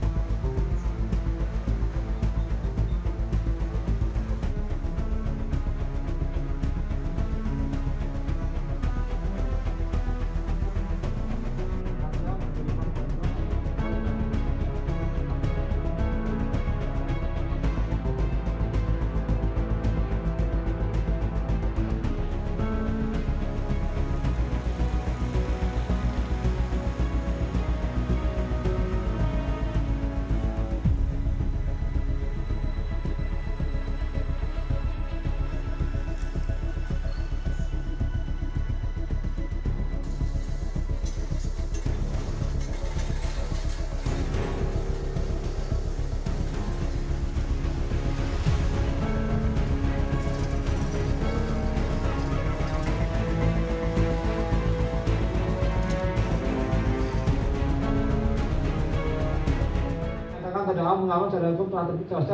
jangan lupa like share dan subscribe channel ini untuk dapat info terbaru